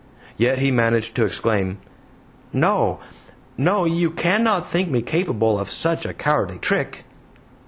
Yet he managed to exclaim: "No! no! You cannot think me capable of such a cowardly trick?"